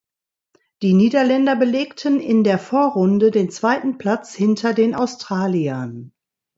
Die Niederländer belegten in der Vorrunde den zweiten Platz hinter den Australiern.